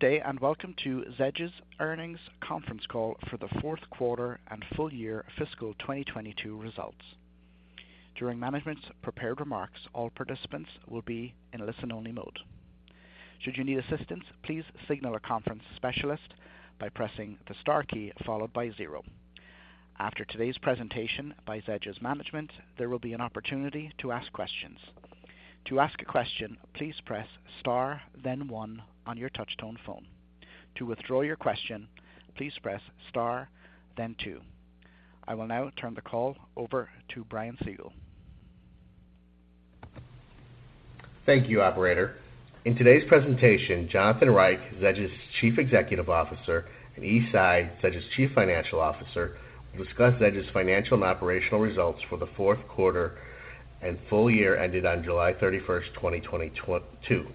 Good day and welcome to Zedge's earnings conference call for the fourth quarter and full year fiscal 2022 results. During management's prepared remarks, all participants will be in listen-only mode. Should you need assistance, please signal a conference specialist by pressing the * key followed by zero. After today's presentation by Zedge's management, there will be an opportunity to ask questions. To ask a question, please press * then one on your touchtone phone. To withdraw your question, please press * then two. I will now turn the call over to Brian Siegel. Thank you, operator. In today's presentation, Jonathan Reich, Zedge's Chief Executive Officer, and Yi Tsai, Zedge's Chief Financial Officer, will discuss Zedge's financial and operational results for the fourth quarter and full year ended on July 31st, 2022.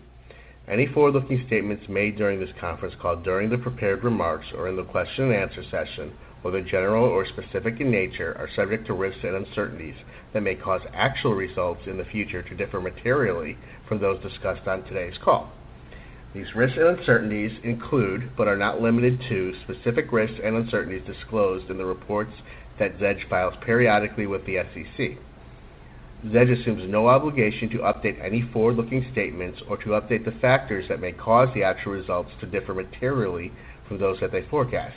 Any forward-looking statements made during this conference call during the prepared remarks or in the question and answer session, whether general or specific in nature, are subject to risks and uncertainties that may cause actual results in the future to differ materially from those discussed on today's call. These risks and uncertainties include, but are not limited to, specific risks and uncertainties disclosed in the reports that Zedge files periodically with the SEC. Zedge assumes no obligation to update any forward-looking statements or to update the factors that may cause the actual results to differ materially from those that they forecast.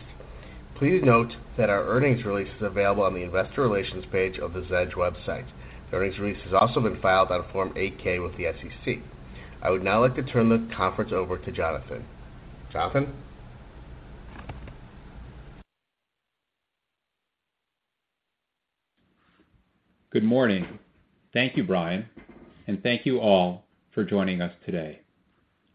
Please note that our earnings release is available on the investor relations page of the Zedge website. The earnings release has also been filed on Form 8-K with the SEC. I would now like to turn the conference over to Jonathan. Jonathan? Good morning. Thank you, Brian, and thank you all for joining us today.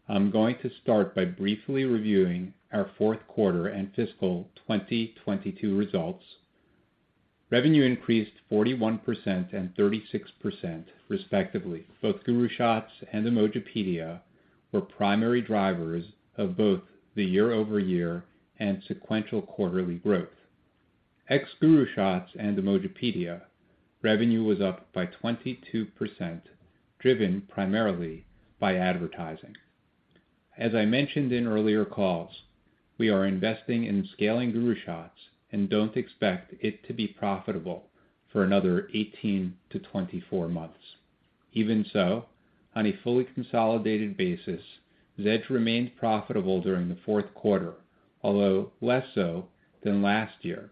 I'm going to start by briefly reviewing our fourth quarter and fiscal 2022 results. Revenue increased 41% and 36% respectively. Both GuruShots and Emojipedia were primary drivers of both the year-over-year and sequential quarterly growth. Ex GuruShots and Emojipedia, revenue was up by 22%, driven primarily by advertising. As I mentioned in earlier calls, we are investing in scaling GuruShots and don't expect it to be profitable for another 18-24 months. Even so, on a fully consolidated basis, Zedge remains profitable during the fourth quarter, although less so than last year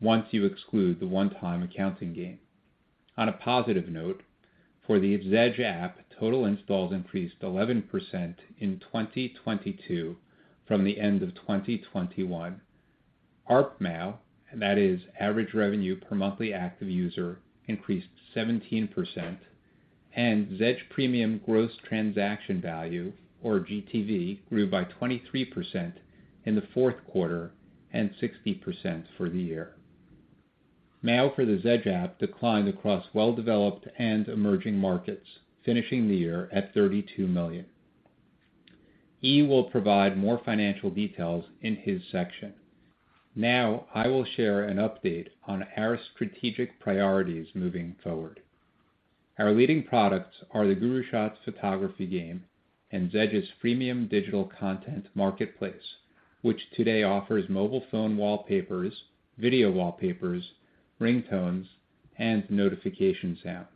once you exclude the one-time accounting gain. On a positive note, for the Zedge app, total installs increased 11% in 2022 from the end of 2021. ARPMAU, that is Average Revenue Per Monthly Active User, increased 17%, and Zedge Premium gross transaction value, or GTV, grew by 23% in the fourth quarter and 60% for the year. MAU for the Zedge app declined across well-developed and emerging markets, finishing the year at 32 million. E will provide more financial details in his section. Now, I will share an update on our strategic priorities moving forward. Our leading products are the GuruShots photography game and Zedge's freemium digital content marketplace, which today offers mobile phone wallpapers, video wallpapers, ringtones, and notification sounds.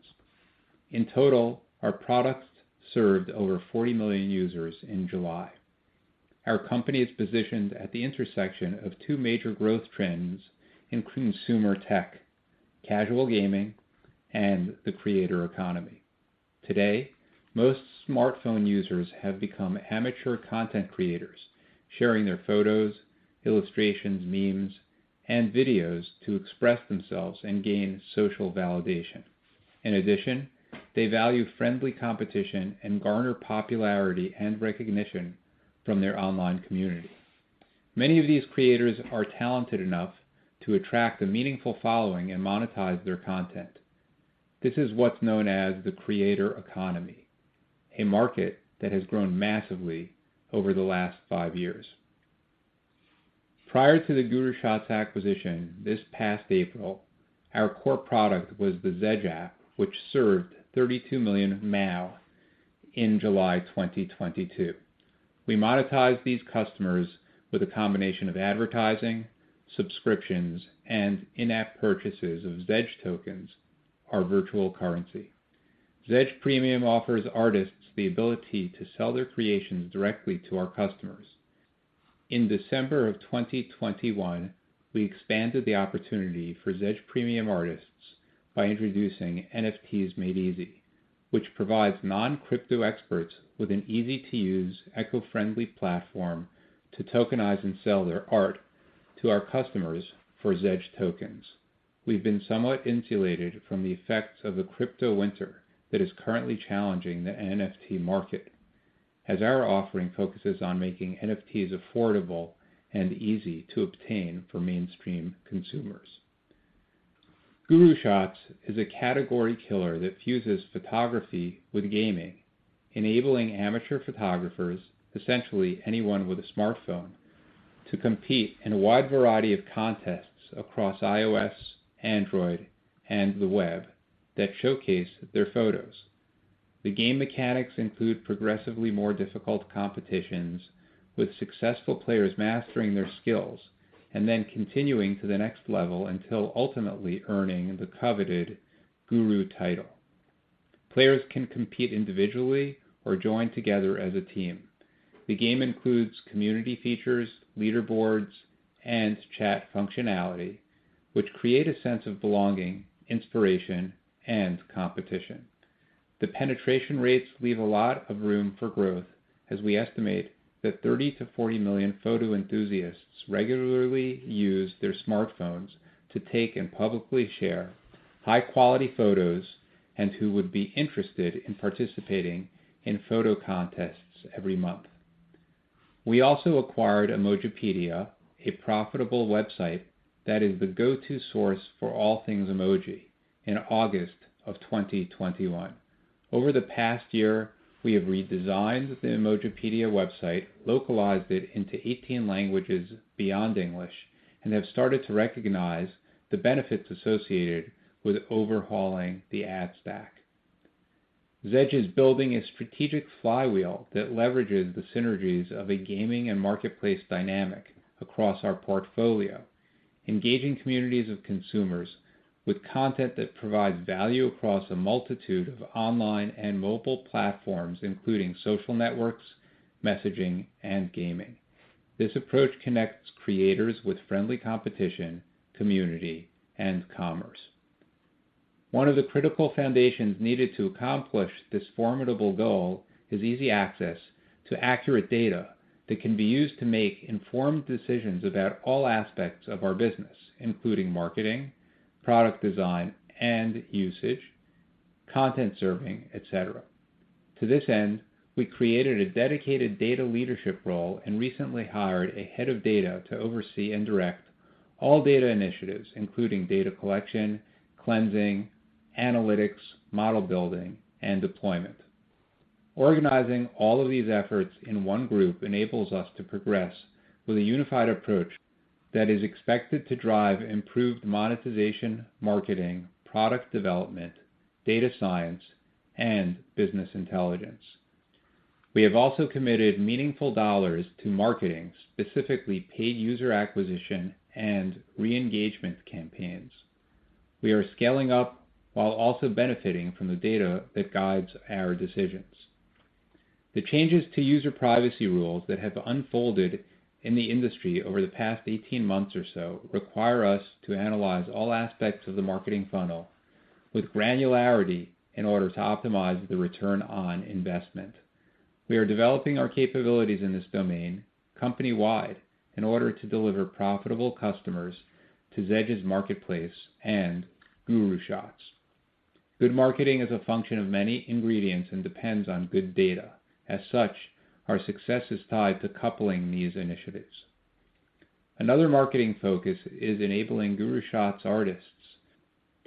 In total, our products served over 40 million users in July. Our company is positioned at the intersection of two major growth trends in consumer tech, casual gaming and the creator economy. Today, most smartphone users have become amateur content creators, sharing their photos, illustrations, memes, and videos to express themselves and gain social validation. In addition, they value friendly competition and garner popularity and recognition from their online community. Many of these creators are talented enough to attract a meaningful following and monetize their content. This is what's known as the creator economy, a market that has grown massively over the last five years. Prior to the GuruShots acquisition this past April, our core product was the Zedge app, which served 32 million MAU in July 2022. We monetized these customers with a combination of advertising, subscriptions, and in-app purchases of Zedge tokens, our virtual currency. Zedge Premium offers artists the ability to sell their creations directly to our customers. In December of 2021, we expanded the opportunity for Zedge Premium artists by introducing NFTs Made Easy, which provides non-crypto experts with an easy-to-use, eco-friendly platform to tokenize and sell their art to our customers for Zedge tokens. We've been somewhat insulated from the effects of the crypto winter that is currently challenging the NFT market, as our offering focuses on making NFTs affordable and easy to obtain for mainstream consumers. GuruShots is a category killer that fuses photography with gaming, enabling amateur photographers, essentially anyone with a smartphone, to compete in a wide variety of contests across iOS, Android, and the web that showcase their photos. The game mechanics include progressively more difficult competitions with successful players mastering their skills and then continuing to the next level until ultimately earning the coveted Guru title. Players can compete individually or join together as a team. The game includes community features, leaderboards, and chat functionality, which create a sense of belonging, inspiration, and competition. The penetration rates leave a lot of room for growth as we estimate that 30-40 million photo enthusiasts regularly use their smartphones to take and publicly share high-quality photos and who would be interested in participating in photo contests every month. We also acquired Emojipedia, a profitable website that is the go-to source for all things emoji, in August 2021. Over the past year, we have redesigned the Emojipedia website, localized it into 18 languages beyond English, and have started to recognize the benefits associated with overhauling the ad stack. Zedge is building a strategic flywheel that leverages the synergies of a gaming and marketplace dynamic across our portfolio, engaging communities of consumers with content that provides value across a multitude of online and mobile platforms, including social networks, messaging, and gaming. This approach connects creators with friendly competition, community, and commerce. One of the critical foundations needed to accomplish this formidable goal is easy access to accurate data that can be used to make informed decisions about all aspects of our business, including marketing, product design and usage, content serving, etc. To this end, we created a dedicated data leadership role and recently hired a head of data to oversee and direct all data initiatives, including data collection, cleansing, analytics, model building, and deployment. Organizing all of these efforts in one group enables us to progress with a unified approach that is expected to drive improved monetization, marketing, product development, data science, and business intelligence. We have also committed meaningful dollars to marketing, specifically paid user acquisition and re-engagement campaigns. We are scaling up while also benefiting from the data that guides our decisions. The changes to user privacy rules that have unfolded in the industry over the past 18 months or so require us to analyze all aspects of the marketing funnel with granularity in order to optimize the return on investment. We are developing our capabilities in this domain company-wide in order to deliver profitable customers to Zedge's marketplace and GuruShots. Good marketing is a function of many ingredients and depends on good data. As such, our success is tied to coupling these initiatives. Another marketing focus is enabling GuruShots artists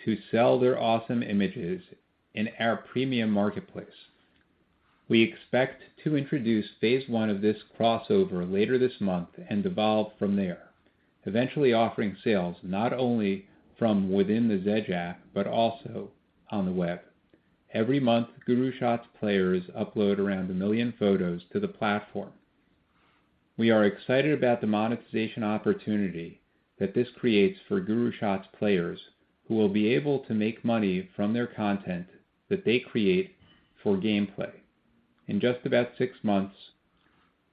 to sell their awesome images in our premium marketplace. We expect to introduce phase 1 of this crossover later this month and evolve from there, eventually offering sales not only from within the Zedge app but also on the web. Every month, GuruShots players upload around 1 million photos to the platform. We are excited about the monetization opportunity that this creates for GuruShots players who will be able to make money from their content that they create for gameplay. In just about 6 months,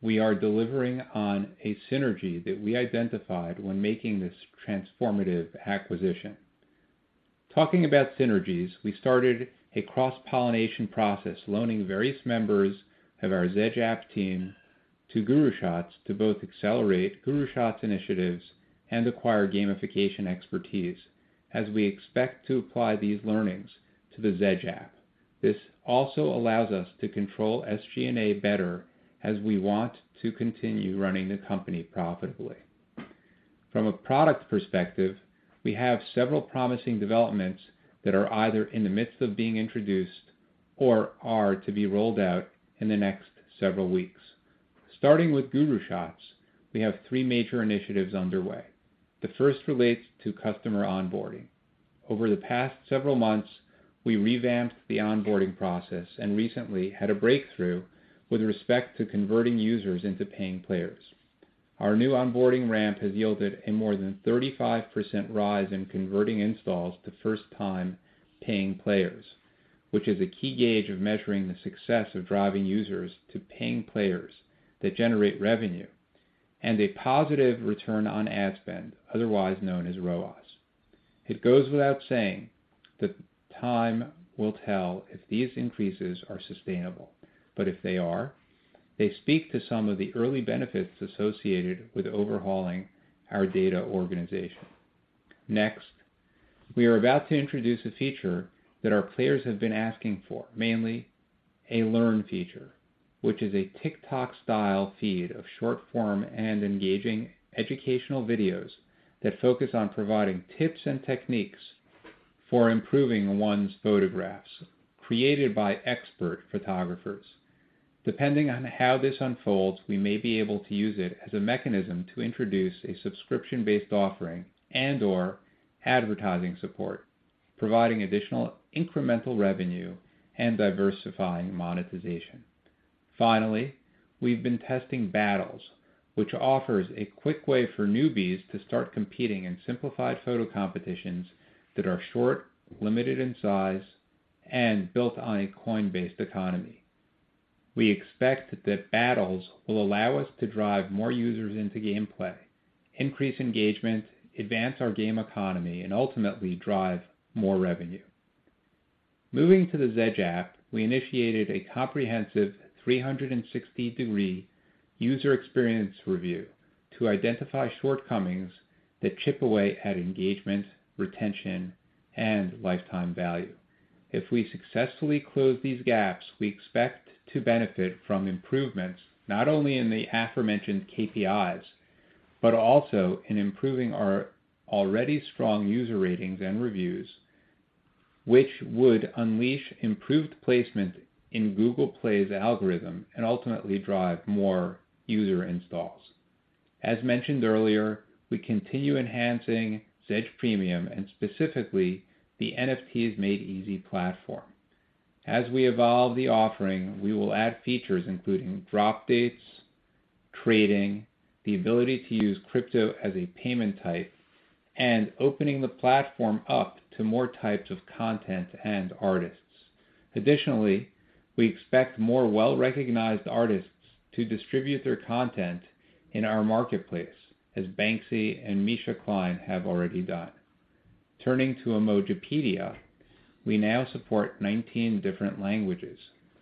we are delivering on a synergy that we identified when making this transformative acquisition. Talking about synergies, we started a cross-pollination process loaning various members of our Zedge app team to GuruShots to both accelerate GuruShots initiatives and acquire gamification expertise, as we expect to apply these learnings to the Zedge app. This also allows us to control SG&A better as we want to continue running the company profitably. From a product perspective, we have several promising developments that are either in the midst of being introduced or are to be rolled out in the next several weeks. Starting with GuruShots, we have three major initiatives underway. The first relates to customer onboarding. Over the past several months, we revamped the onboarding process and recently had a breakthrough with respect to converting users into paying players. Our new onboarding ramp has yielded a more than 35% rise in converting installs to first-time paying players, which is a key gauge of measuring the success of driving users to paying players that generate revenue and a positive return on ad spend, otherwise known as ROAS. It goes without saying that time will tell if these increases are sustainable. If they are, they speak to some of the early benefits associated with overhauling our data organization. Next, we are about to introduce a feature that our players have been asking for, mainly a learn feature, which is a TikTok-style feed of short-form and engaging educational videos that focus on providing tips and techniques for improving one's photographs created by expert photographers. Depending on how this unfolds, we may be able to use it as a mechanism to introduce a subscription-based offering and/or advertising support, providing additional incremental revenue and diversifying monetization. Finally, we've been testing Battles, which offers a quick way for newbies to start competing in simplified photo competitions that are short, limited in size, and built on a coin-based economy. We expect that Battles will allow us to drive more users into game play, increase engagement, advance our game economy, and ultimately drive more revenue. Moving to the Zedge app, we initiated a comprehensive 360-degree user experience review to identify shortcomings that chip away at engagement, retention, and lifetime value. If we successfully close these gaps, we expect to benefit from improvements, not only in the aforementioned KPIs, but also in improving our already strong user ratings and reviews, which would unleash improved placement in Google Play's algorithm and ultimately drive more user installs. As mentioned earlier, we continue enhancing Zedge Premium and specifically the NFTs Made Easy platform. As we evolve the offering, we will add features including drop dates, trading, the ability to use crypto as a payment type, and opening the platform up to more types of content and artists. Additionally, we expect more well-recognized artists to distribute their content in our marketplace as Banksy and Micha Klein have already done. Turning to Emojipedia, we now support 19 different languages.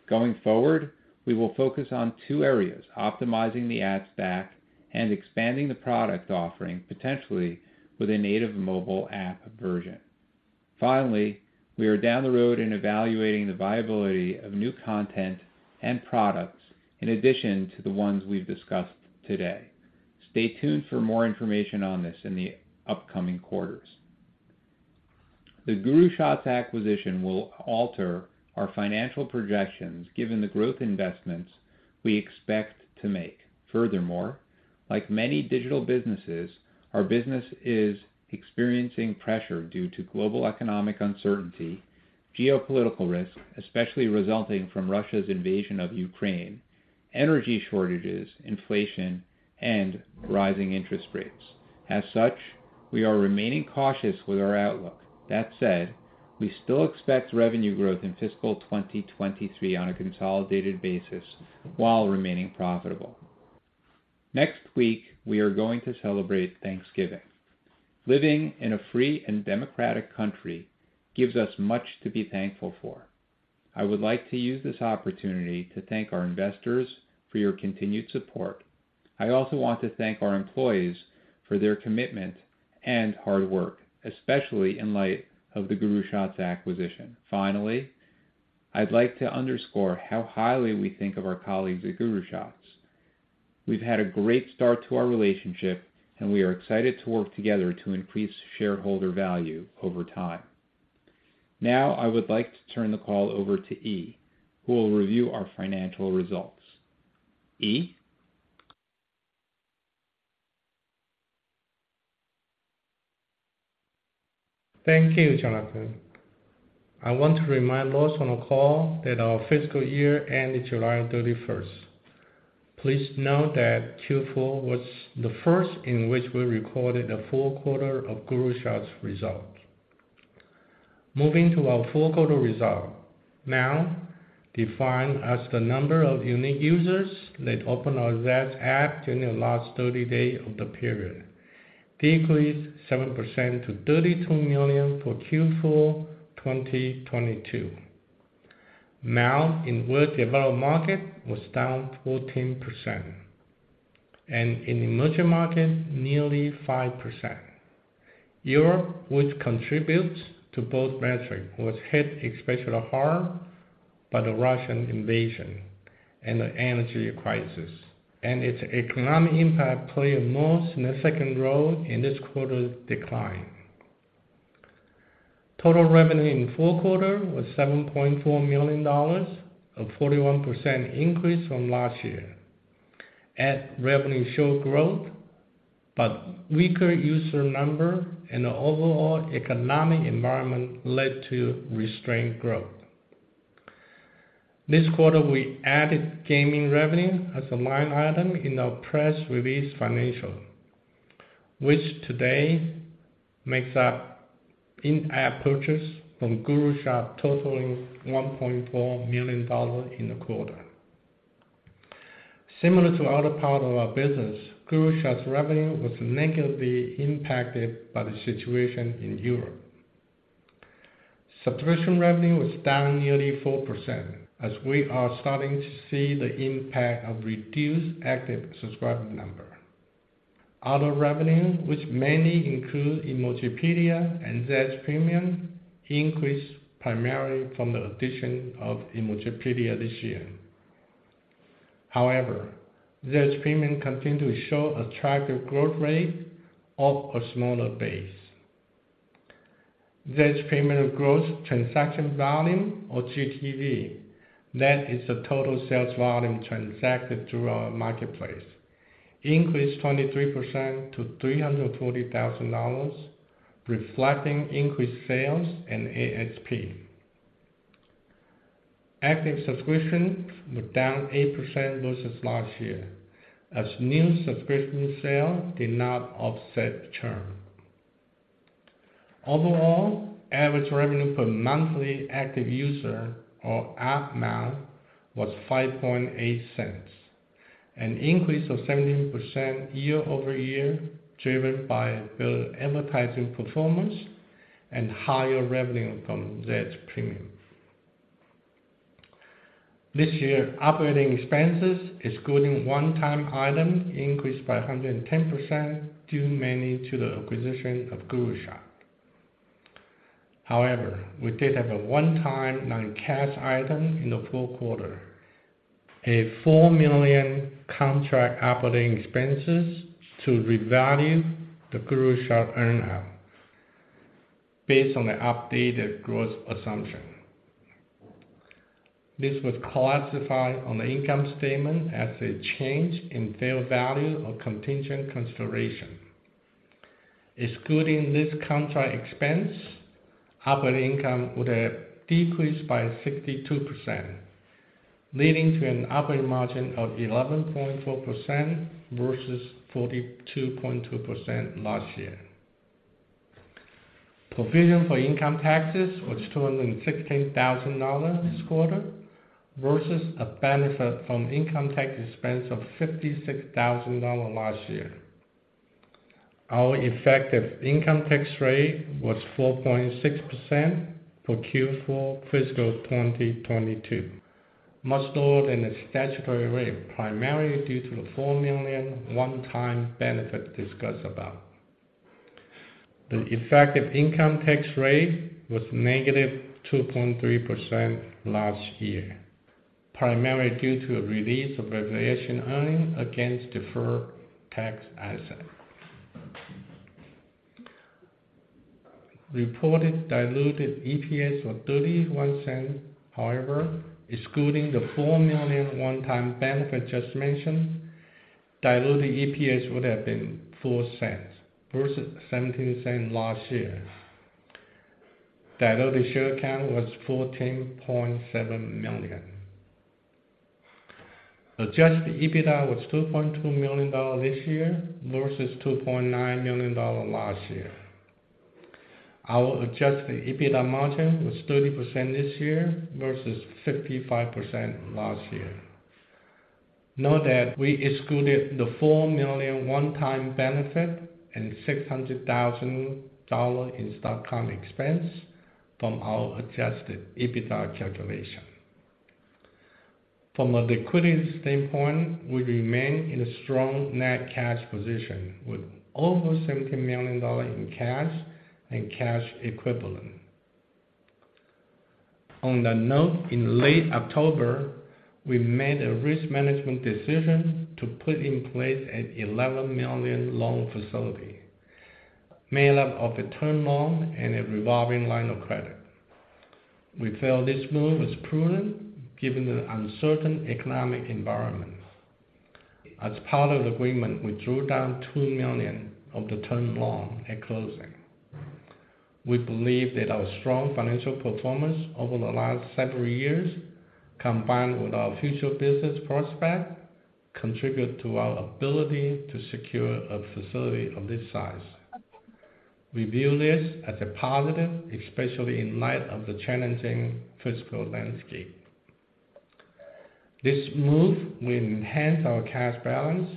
Going forward, we will focus on two areas, optimizing the ad stack and expanding the product offering potentially with a native mobile app version. Finally, we are down the road in evaluating the viability of new content and products in addition to the ones we've discussed today. Stay tuned for more information on this in the upcoming quarters. The GuruShots acquisition will alter our financial projections given the growth investments we expect to make. Furthermore, like many digital businesses, our business is experiencing pressure due to global economic uncertainty, geopolitical risk, especially resulting from Russia's invasion of Ukraine, energy shortages, inflation, and rising interest rates. As such, we are remaining cautious with our outlook. That said, we still expect revenue growth in fiscal 2023 on a consolidated basis while remaining profitable. Next week, we are going to celebrate Thanksgiving. Living in a free and democratic country gives us much to be thankful for. I would like to use this opportunity to thank our investors for your continued support. I also want to thank our employees for their commitment and hard work, especially in light of the GuruShots acquisition. Finally, I'd like to underscore how highly we think of our colleagues at GuruShots. We've had a great start to our relationship, and we are excited to work together to increase shareholder value over time. Now, I would like to turn the call over to Yi, who will review our financial results. Yi? Thank you, Jonathan. I want to remind those on the call that our fiscal year ended July 31. Please note that Q4 was the first in which we recorded a full quarter of GuruShots results. Moving to our fourth quarter results. MAU, defined as the number of unique users that open our Zedge app during the last 30 days of the period, decreased 7% to 32 million for Q4 2022. MAU in developed markets was down 14%, and in emerging markets, nearly 5%. Europe, which contributes to both metrics, was hit especially hard by the Russian invasion and the energy crisis, and its economic impact played a most significant role in this quarter's decline. Total revenue in fourth quarter was $7.4 million, a 41% increase from last year. Ad revenue showed growth, but weaker user number and the overall economic environment led to restrained growth. This quarter, we added gaming revenue as a line item in our press release financials, which today makes up in-app purchase from GuruShots totaling $1.4 million in the quarter. Similar to other parts of our business, GuruShots revenue was negatively impacted by the situation in Europe. Subscription revenue was down nearly 4% as we are starting to see the impact of reduced active subscriber number. Other revenue, which mainly include Emojipedia and Zedge Premium, increased primarily from the addition of Emojipedia this year. However, Zedge Premium continued to show attractive growth rate of a smaller base. Zedge Premium gross transaction volume or GTV. That is the total sales volume transacted through our marketplace. Increased 23% to $340 thousand, reflecting increased sales and ASP. Active subscription was down 8% versus last year, as new subscription sales did not offset churn. Overall, average revenue per monthly active user or ARPMAU was $0.058, an increase of 17% year-over-year, driven by billboard advertising performance and higher revenue from Zedge Premium. This year operating expenses, excluding one-time item, increased by 110%, due mainly to the acquisition of GuruShots. However, we did have a one-time non-cash item in the full quarter, a $4 million contingent operating expense to revalue the GuruShots earn-out based on the updated growth assumption. This was classified on the income statement as a change in fair value of contingent consideration. Excluding this contingent expense, operating income would have decreased by 62%, leading to an operating margin of 11.4% versus 42.2% last year. Provision for income taxes was $216,000 this quarter versus a benefit from income tax expense of $56,000 last year. Our effective income tax rate was 4.6% for Q4 fiscal 2022, much lower than the statutory rate, primarily due to the $4 million one-time benefit discussed about. The effective income tax rate was -2.3% last year, primarily due to a release of valuation allowance against deferred tax assets. Reported diluted EPS was $0.31. However, excluding the $4 million one-time benefit just mentioned, diluted EPS would have been $0.04 versus $0.17 last year. Diluted share count was 14.7 million. Adjusted EBITDA was $2.2 million this year versus $2.9 million last year. Our adjusted EBITDA margin was 30% this year versus 55% last year. Note that we excluded the $4 million one-time benefit and $600,000 in stock comp expense from our adjusted EBITDA calculation. From a liquidity standpoint, we remain in a strong net cash position with over $70 million in cash and cash equivalent. On that note, in late October, we made a risk management decision to put in place an $11 million loan facility made up of a term loan and a revolving line of credit. We feel this move was prudent given the uncertain economic environment. As part of the agreement, we drew down $2 million of the term loan at closing. We believe that our strong financial performance over the last several years, combined with our future business prospects, contribute to our ability to secure a facility of this size. We view this as a positive, especially in light of the challenging fiscal landscape. This move will enhance our cash balance,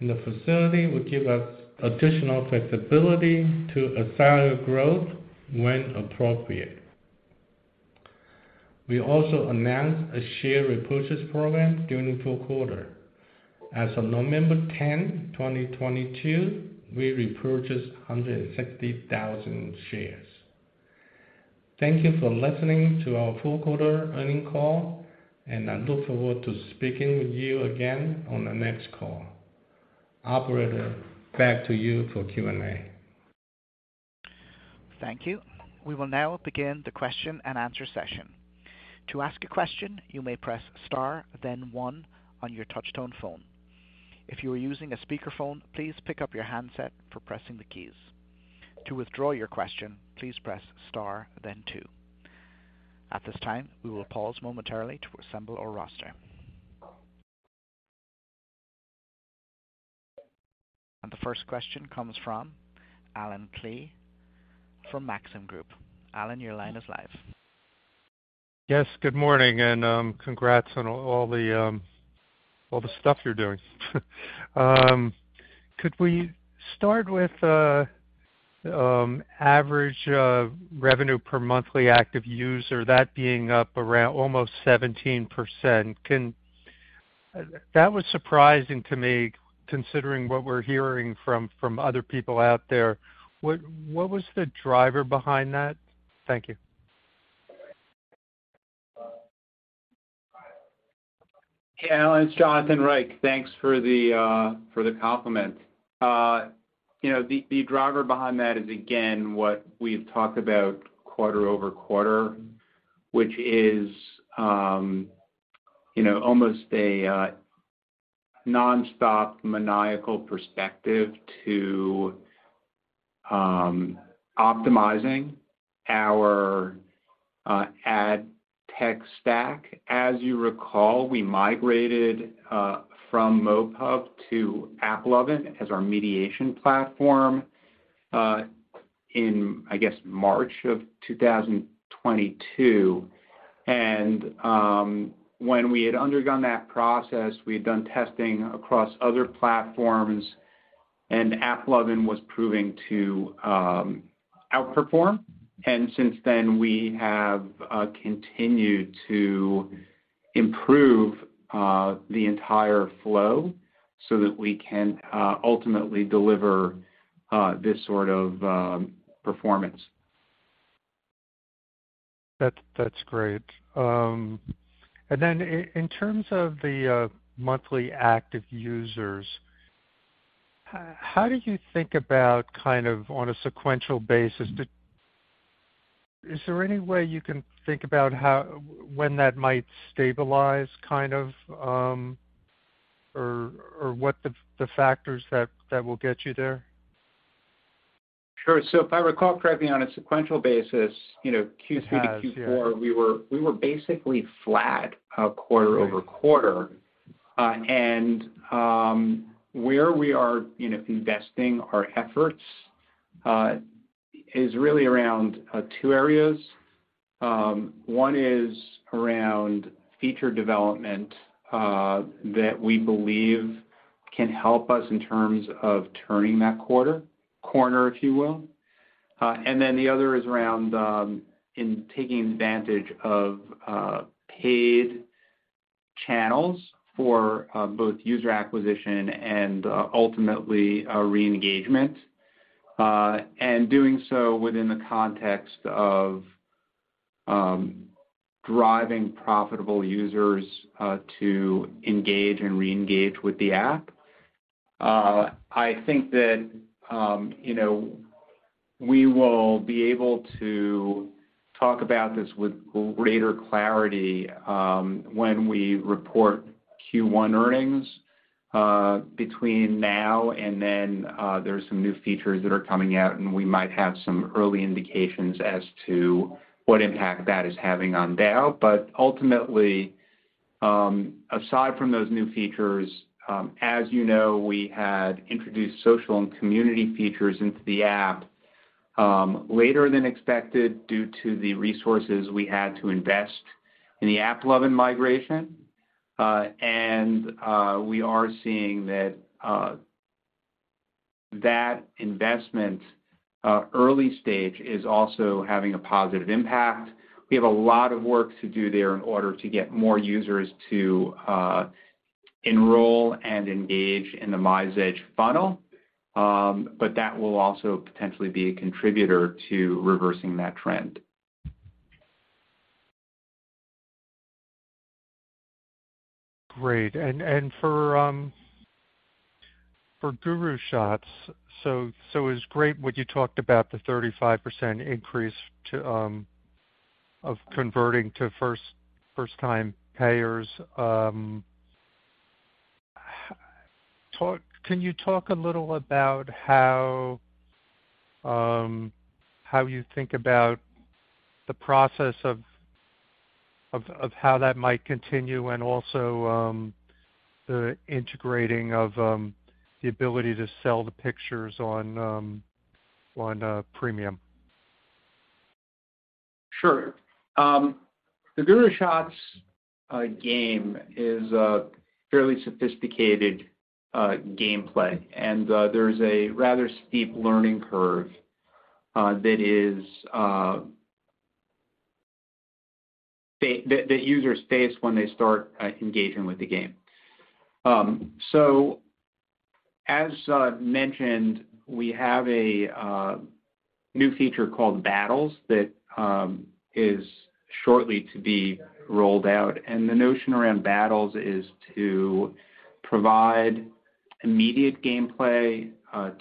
and the facility will give us additional flexibility to accelerate growth when appropriate. We also announced a share repurchase program during the fourth quarter. As of November 10, 2022, we repurchased 160,000 shares. Thank you for listening to our fourth quarter earnings call, and I look forward to speaking with you again on the next call. Operator, back to you for Q&A. Thank you. We will now begin the question-and-answer session. To ask a question, you may press star then one on your touch tone phone. If you are using a speaker phone, please pick up your handset for pressing the keys. To withdraw your question, please press star then two. At this time, we will pause momentarily to assemble our roster. The first question comes from Allen Klee from Maxim Group. Allen, your line is live. Yes, good morning and, congrats on all the stuff you're doing. Could we start with the average revenue per monthly active user, that being up around almost 17%. That was surprising to me, considering what we're hearing from other people out there. What was the driver behind that? Thank you. Yeah, Allen, it's Jonathan Reich. Thanks for the compliment. You know, the driver behind that is, again, what we've talked about quarter-over-quarter, which is you know almost a nonstop maniacal perspective to optimizing our ad tech stack. As you recall, we migrated from MoPub to AppLovin as our mediation platform in, I guess, March 2022. When we had undergone that process, we had done testing across other platforms, and AppLovin was proving to outperform. Since then we have continued to improve the entire flow so that we can ultimately deliver this sort of performance. That's great. In terms of the monthly active users, how do you think about kind of on a sequential basis? Is there any way you can think about when that might stabilize kind of, or what the factors that will get you there? Sure. If I recall correctly, on a sequential basis, you know, Q3 to Q4. Yes. Yeah. We were basically flat quarter-over-quarter. Where we are, you know, investing our efforts is really around two areas. One is around feature development that we believe can help us in terms of turning that corner, if you will. The other is around in taking advantage of paid channels for both user acquisition and ultimately re-engagement. Doing so within the context of driving profitable users to engage and reengage with the app. I think that, you know, we will be able to talk about this with greater clarity when we report Q1 earnings. Between now and then, there's some new features that are coming out, and we might have some early indications as to what impact that is having on DAU. Ultimately, aside from those new features, as you know, we had introduced social and community features into the app later than expected due to the resources we had to invest in the AppLovin migration. We are seeing that investment early stage is also having a positive impact. We have a lot of work to do there in order to get more users to enroll and engage in the MyZedge funnel. That will also potentially be a contributor to reversing that trend. Great. For GuruShots, it was great what you talked about the 35% increase in converting to first-time payers. Can you talk a little about how you think about the process of how that might continue and also the integrating of the ability to sell the pictures on premium? Sure. The GuruShots game is a fairly sophisticated gameplay, and there's a rather steep learning curve that users face when they start engaging with the game. As mentioned, we have a new feature called Battles that is shortly to be rolled out, and the notion around Battles is to provide immediate gameplay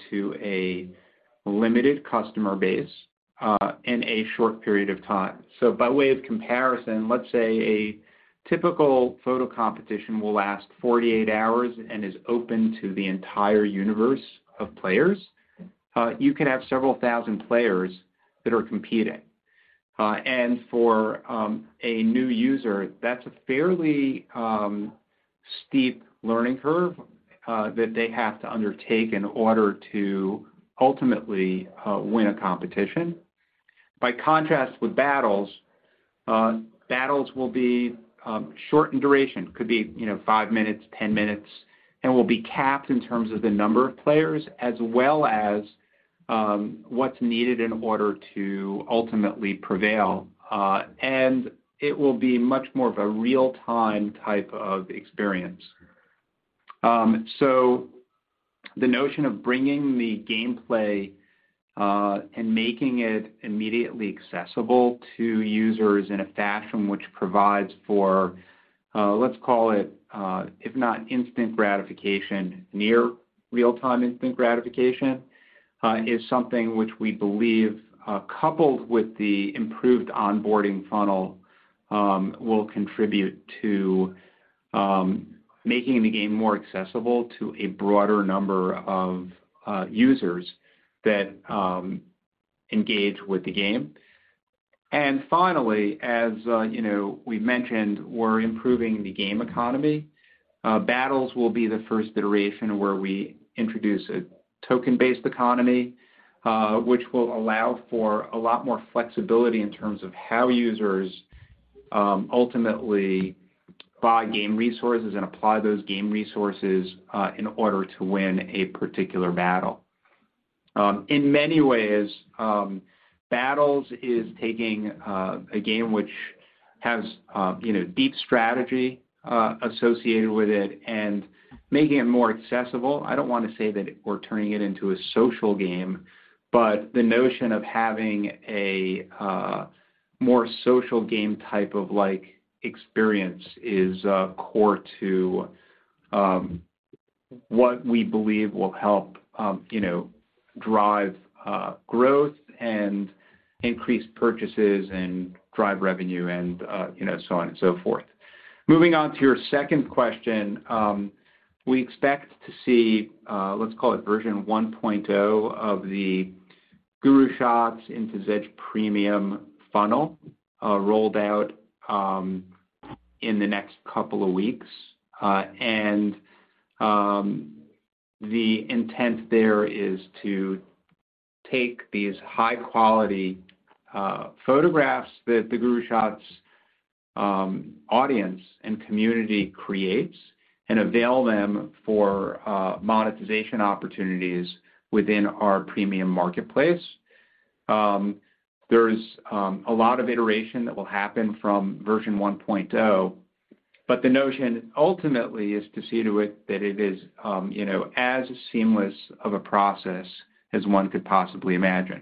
to a limited customer base in a short period of time. By way of comparison, let's say a typical photo competition will last 48 hours and is open to the entire universe of players. You can have several thousand players that are competing. For a new user, that's a fairly steep learning curve that they have to undertake in order to ultimately win a competition. By contrast with Battles will be short in duration. Could be, you know, 5 minutes, 10 minutes, and will be capped in terms of the number of players as well as, what's needed in order to ultimately prevail. It will be much more of a real-time type of experience. The notion of bringing the gameplay, and making it immediately accessible to users in a fashion which provides for, let's call it, if not instant gratification, near real-time instant gratification, is something which we believe, coupled with the improved onboarding funnel, will contribute to making the game more accessible to a broader number of users that engage with the game. Finally, as you know, we mentioned, we're improving the game economy. Battles will be the first iteration where we introduce a token-based economy, which will allow for a lot more flexibility in terms of how users ultimately buy game resources and apply those game resources in order to win a particular battle. In many ways, Battles is taking a game which has you know, deep strategy associated with it and making it more accessible. I don't wanna say that we're turning it into a social game, but the notion of having a more social game type of, like, experience is core to what we believe will help you know, drive growth and increase purchases and drive revenue and you know, so on and so forth. Moving on to your second question, we expect to see, let's call it version 1.0 of the GuruShots into Zedge Premium funnel, rolled out, in the next couple of weeks. The intent there is to take these high-quality photographs that the GuruShots audience and community creates and avail them for monetization opportunities within our premium marketplace. There's a lot of iteration that will happen from version 1.0, but the notion ultimately is to see to it that it is, you know, as seamless of a process as one could possibly imagine.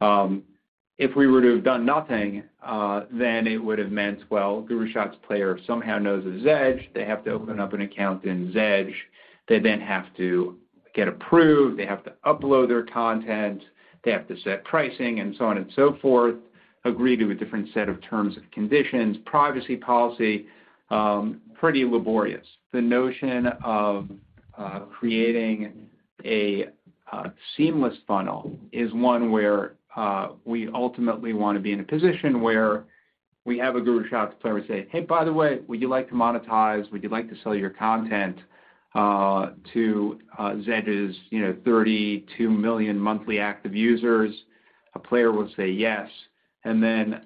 If we were to have done nothing, then it would have meant, well, GuruShots player somehow knows of Zedge. They have to open up an account in Zedge. They then have to get approved. They have to upload their content. They have to set pricing and so on and so forth, agree to a different set of terms and conditions, privacy policy, pretty laborious. The notion of creating a seamless funnel is one where we ultimately wanna be in a position where we have a GuruShots player say, "Hey, by the way, would you like to monetize? Would you like to sell your content to Zedge's, you know, 32 million monthly active users?" A player will say yes. Then,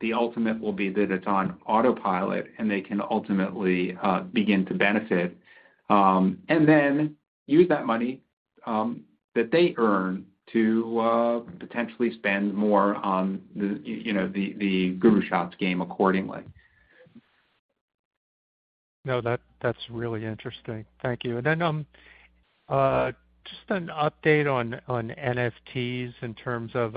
the ultimate will be that it's on autopilot, and they can ultimately begin to benefit, and then use that money that they earn to potentially spend more on the, you know, the GuruShots game accordingly. No, that's really interesting. Thank you. Just an update on NFTs in terms of.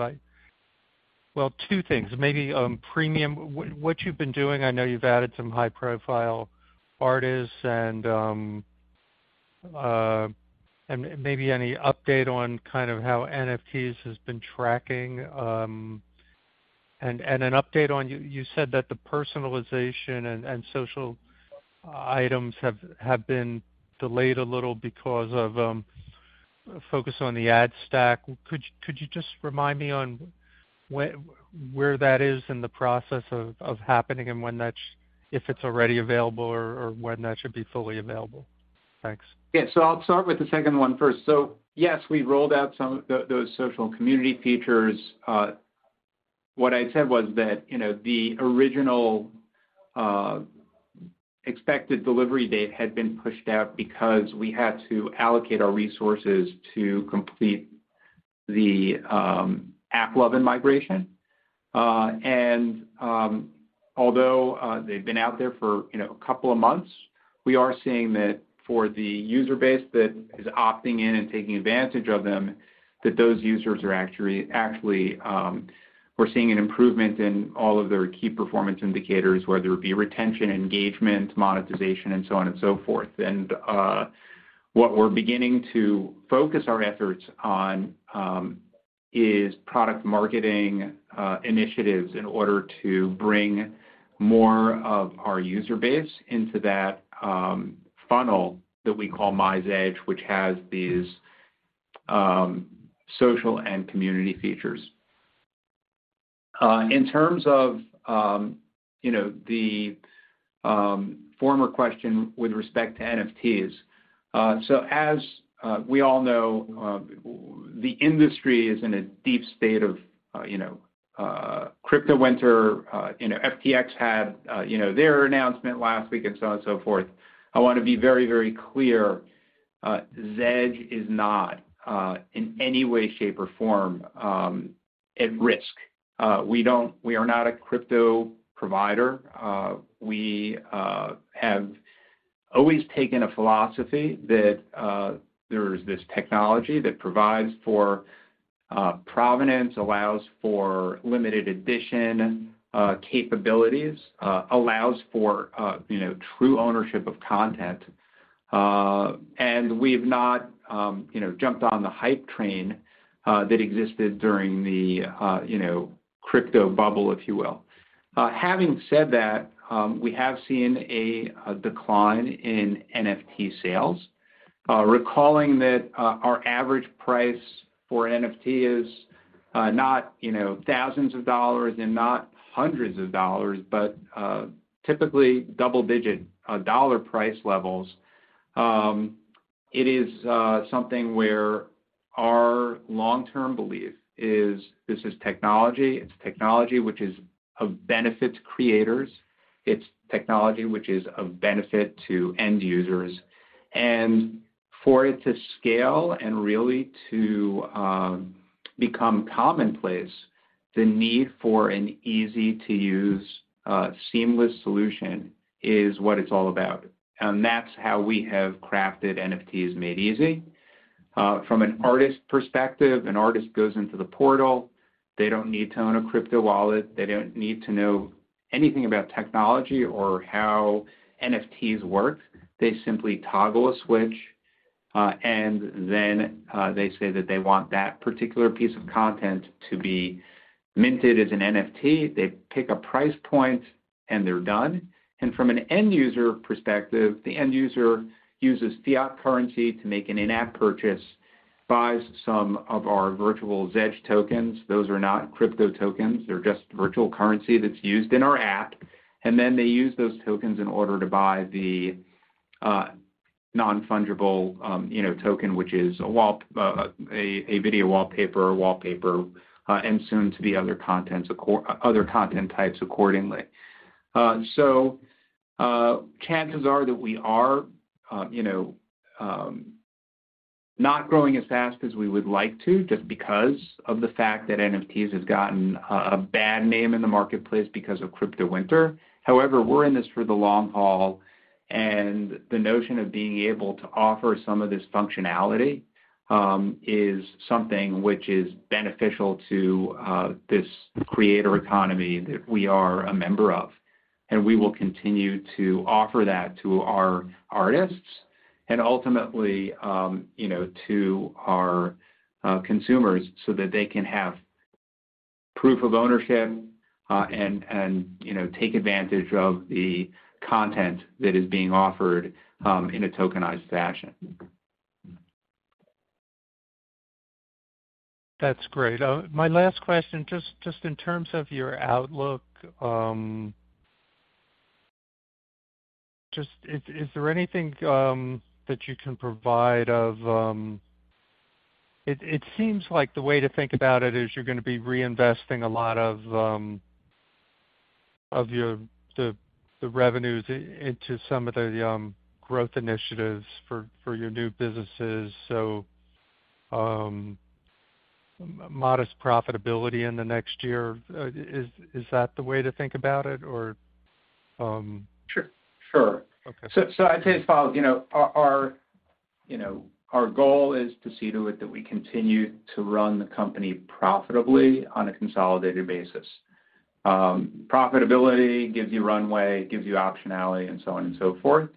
Well, two things, maybe, Premium, what you've been doing. I know you've added some high-profile artists and maybe any update on kind of how NFTs has been tracking. An update on, you said that the personalization and social items have been delayed a little because of focus on the ad stack. Could you just remind me on where that is in the process of happening and if it's already available or when that should be fully available? Thanks. Yeah. I'll start with the second one first. Yes, we rolled out some of those social community features. What I said was that, you know, the original expected delivery date had been pushed out because we had to allocate our resources to complete the AppLovin migration. Although they've been out there for, you know, a couple of months, we are seeing that for the user base that is opting in and taking advantage of them, that those users are actually we're seeing an improvement in all of their key performance indicators, whether it be retention, engagement, monetization, and so on and so forth. What we're beginning to focus our efforts on is product marketing initiatives in order to bring more of our user base into that funnel that we call MyZedge, which has these social and community features. In terms of, you know, the former question with respect to NFTs, as we all know, the industry is in a deep state of, you know, crypto winter, you know, FTX had, you know, their announcement last week and so on and so forth. I wanna be very, very clear, Zedge is not in any way, shape, or form at risk. We are not a crypto provider. We have always taken a philosophy that there's this technology that provides for provenance, allows for limited edition capabilities, allows for you know, true ownership of content. We have not you know, jumped on the hype train that existed during the you know, crypto bubble, if you will. Having said that, we have seen a decline in NFT sales. Recalling that, our average price for NFT is not you know, thousands of dollars and not hundreds of dollars, but typically double-digit dollar price levels. It is something where our long-term belief is this is technology. It's technology which is of benefit to creators. It's technology which is of benefit to end users. For it to scale and really to become commonplace, the need for an easy-to-use, seamless solution is what it's all about, and that's how we have crafted NFTs Made Easy. From an artist perspective, an artist goes into the portal. They don't need to own a crypto wallet. They don't need to know anything about technology or how NFTs work. They simply toggle a switch, and then they say that they want that particular piece of content to be minted as an NFT. They pick a price point, and they're done. From an end user perspective, the end user uses fiat currency to make an in-app purchase, buys some of our virtual Zedge tokens. Those are not crypto tokens. They're just virtual currency that's used in our app. They use those tokens in order to buy the non-fungible token, which is a video wallpaper or wallpaper, and soon to be other content types accordingly. Chances are that we are not growing as fast as we would like to just because of the fact that NFTs has gotten a bad name in the marketplace because of crypto winter. However, we're in this for the long haul, and the notion of being able to offer some of this functionality is something which is beneficial to this creator economy that we are a member of. We will continue to offer that to our artists and ultimately, you know, to our consumers so that they can have proof of ownership, and you know, take advantage of the content that is being offered, in a tokenized fashion. That's great. My last question, just in terms of your outlook, just is there anything that you can provide of. It seems like the way to think about it is you're gonna be reinvesting a lot of of your the revenues into some of the growth initiatives for your new businesses. Modest profitability in the next year is that the way to think about it or Sure. Okay. I'd say as follows, you know, our goal is to see to it that we continue to run the company profitably on a consolidated basis. Profitability gives you runway, gives you optionality and so on and so forth.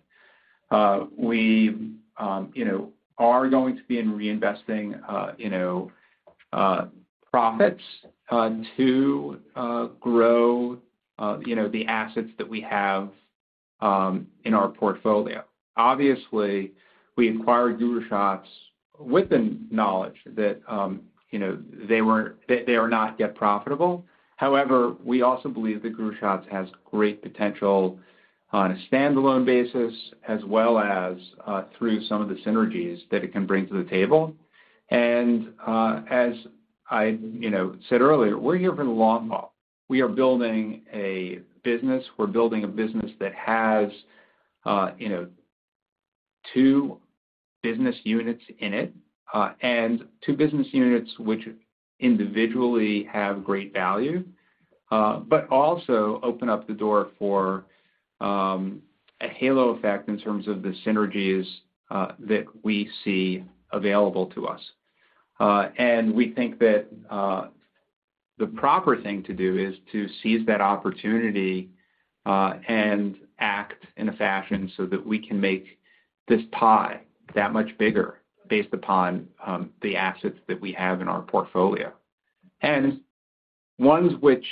We are going to be in reinvesting profits to grow the assets that we have in our portfolio. Obviously, we acquired GuruShots with the knowledge that they are not yet profitable. However, we also believe that GuruShots has great potential on a standalone basis as well as through some of the synergies that it can bring to the table. As I said earlier, we're here for the long haul. We are building a business. We're building a business that has, you know, two business units in it, which individually have great value, but also open up the door for a halo effect in terms of the synergies that we see available to us. We think that the proper thing to do is to seize that opportunity and act in a fashion so that we can make this pie that much bigger based upon the assets that we have in our portfolio. Ones which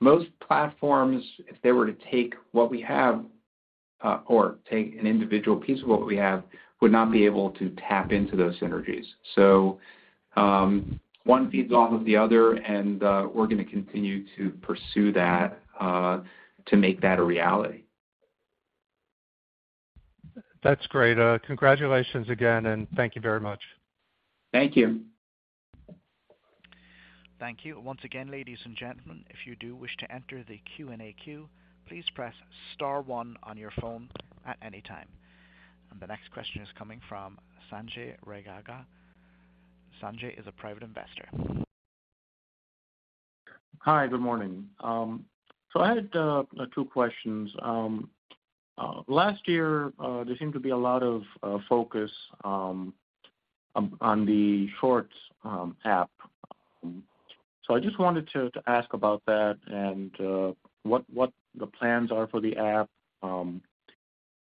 most platforms, if they were to take what we have or take an individual piece of what we have, would not be able to tap into those synergies. One feeds off of the other, and we're gonna continue to pursue that to make that a reality. That's great. Congratulations again, and thank you very much. Thank you. Thank you. Once again, ladies and gentlemen, if you do wish to enter the Q&A queue, please press star one on your phone at any time. The next question is coming from Sanjay Raghava. Sanjay is a private investor. Hi, good morning. I had two questions. Last year, there seemed to be a lot of focus on the Shorts app. I just wanted to ask about that and what the plans are for the app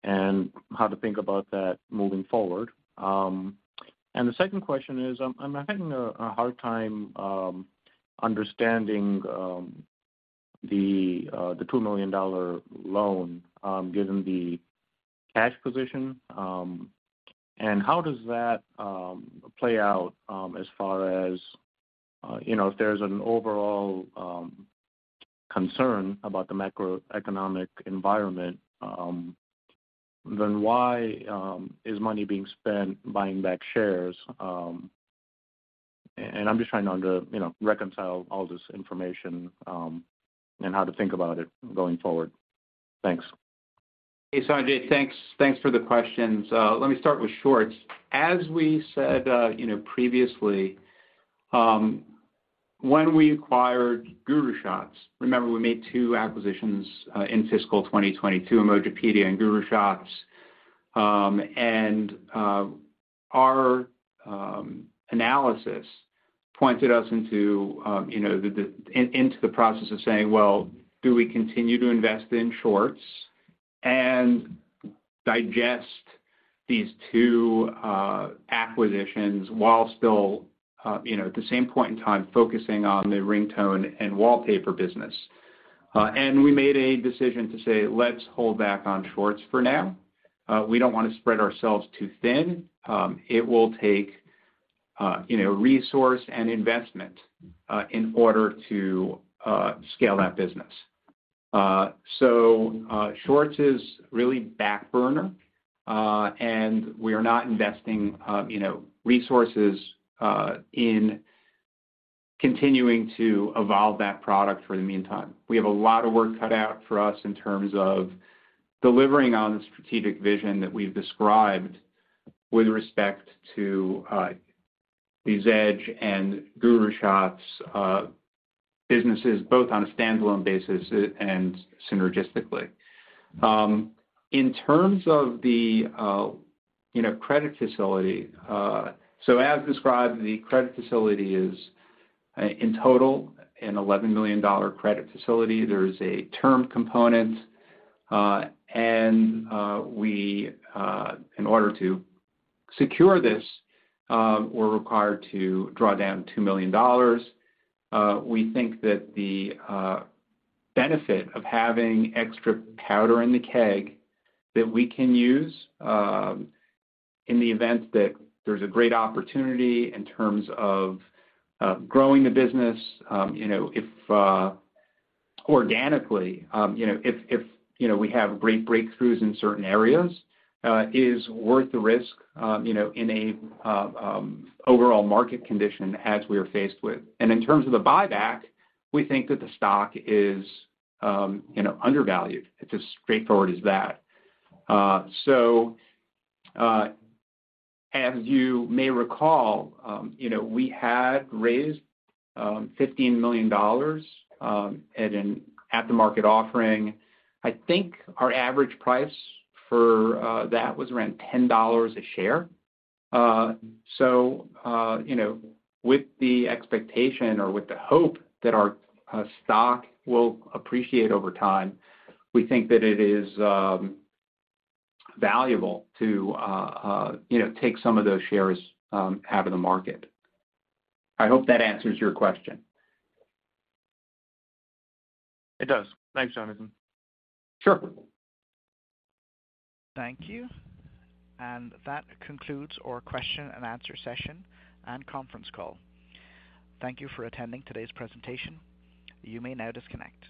and how to think about that moving forward. The second question is, I'm having a hard time understanding the $2 million loan given the cash position and how does that play out as far as you know if there's an overall concern about the macroeconomic environment then why is money being spent buying back shares? I'm just trying to understand you know reconcile all this information and how to think about it going forward. Thanks. Hey, Sanjay. Thanks for the questions. Let me start with Shorts. As we said, you know, previously, when we acquired GuruShots, remember we made two acquisitions in fiscal 2020, two Emojipedia and GuruShots. Our analysis pointed us into, you know, into the process of saying, "Well, do we continue to invest in Shorts and digest these two acquisitions while still, you know, at the same point in time focusing on the ringtone and wallpaper business?" We made a decision to say, "Let's hold back on Shorts for now. We don't wanna spread ourselves too thin. It will take, you know, resource and investment in order to scale that business." Shorts is really back burner. We are not investing, you know, resources in continuing to evolve that product for the meantime. We have a lot of work cut out for us in terms of delivering on the strategic vision that we've described with respect to the Zedge and GuruShots businesses, both on a standalone basis and synergistically. In terms of the, you know, credit facility, as described, the credit facility is in total an $11 million credit facility. There is a term component. In order to secure this, we're required to draw down $2 million. We think that the benefit of having extra powder in the keg that we can use in the event that there's a great opportunity in terms of growing the business, you know, if organically, you know, if we have great breakthroughs in certain areas, is worth the risk, you know, in a overall market condition as we are faced with. In terms of the buyback, we think that the stock is, you know, undervalued. It's as straightforward as that. As you may recall, you know, we had raised $15 million at an at-the-market offering. I think our average price for that was around $10 a share. You know, with the expectation or with the hope that our stock will appreciate over time, we think that it is valuable to, you know, take some of those shares out of the market. I hope that answers your question. It does. Thanks, Jonathan. Sure. Thank you. That concludes our question and answer session and conference call. Thank you for attending today's presentation. You may now disconnect.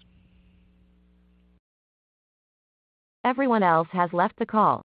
Everyone else has left the call.